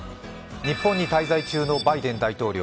日本に滞在中のバイデン大統領。